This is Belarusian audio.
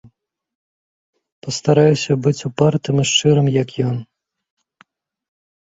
Пастараюся быць упартым і шчырым, як ён.